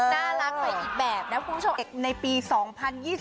น่ารักใหม่อีกแบบนะคุณผู้ชม